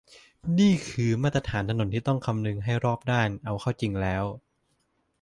นี่คือ มาตรฐานถนนที่ต้องคำนึงให้รอบด้าน เอาเข้าจริงแล้ว